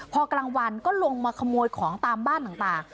พอกลางวันก็ลงมาขโมยของตามบ้านต่าง